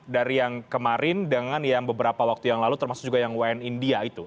dari yang kemarin dengan yang beberapa waktu yang lalu termasuk juga yang wni india itu